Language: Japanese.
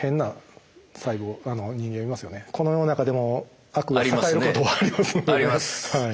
この世の中でも悪が栄えることありますので。